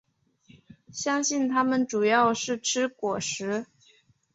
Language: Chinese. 相信它们主要是吃果实。